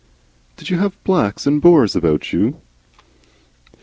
"Did you have Blacks and Boers about you?"